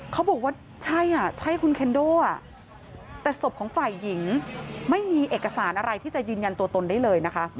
เขาบอกว่าใช่อ่ะใช่คุณแคนโดอ่ะแต่ศพของฝ่ายหญิงไม่มีเอกสารอะไรที่จะยืนยันตัวตนได้เลยนะคะ